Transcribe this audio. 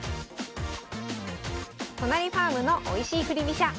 都成ファームのおいしい振り飛車。